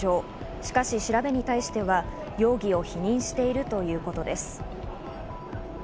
しかし、調べに対しては容疑を否認しているということです。